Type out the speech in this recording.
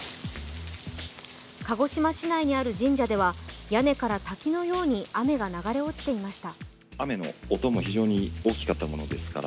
鹿児島市内にある神社では屋根から滝のように雨が流れ落ちていました。